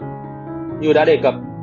như đã đề cập